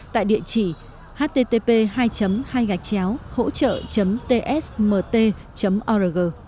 tại địa chỉ http hỗtrợ tsmt org